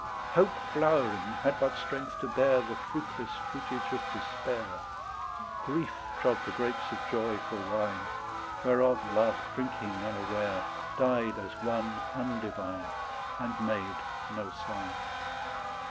Hope flowering had but strength to bear The fruitless fruitage of despair; Grief trod the grapes of joy for wine, Whereof love drinking unaware Died as one undivine And made no sign.